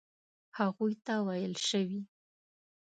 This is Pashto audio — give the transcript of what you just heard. هغوی ته ویل شوي.